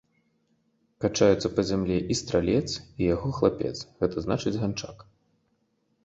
Качаюцца па зямлі і стралец, і яго хлапец, гэта значыць ганчак.